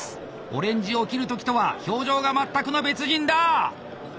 オレンジを切る時とは表情が全くの別人だ！